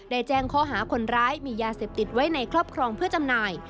แจ้งข้อหาคนร้ายมียาเสพติดไว้ในครอบครองเพื่อจำหน่าย